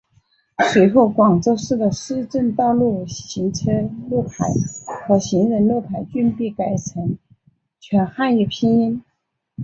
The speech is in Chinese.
随后广州市的市政道路行车路牌和行人路牌均被改成全汉语拼音。